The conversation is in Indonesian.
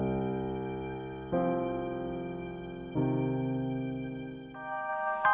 ini mentalyour princip kita